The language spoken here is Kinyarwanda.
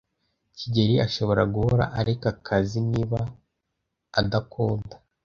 kigeli ashobora guhora areka akazi niba adakunda.